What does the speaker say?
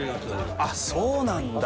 あっ、そうなんだ！